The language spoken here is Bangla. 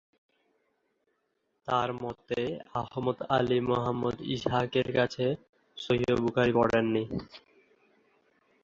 তার মতে আহমদ আলী মুহাম্মদ ইসহাকের কাছে সহিহ বুখারী পড়েন নি।